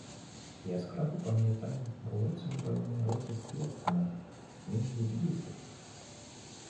Яскраво пам'ятаю, було це на пероні років п'ять тому — він від'їздив.